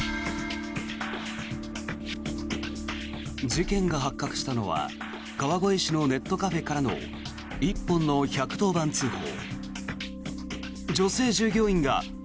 事件が発覚したのは川越市のネットカフェからの１本の１１０番通報。